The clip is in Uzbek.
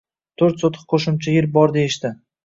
To'rt sotix qoʼshimcha yer bor deyishdi.